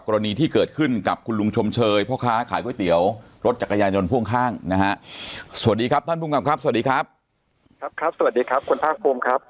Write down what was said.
ครับครับสวัสดีครับคุณผ้าคลุมครับ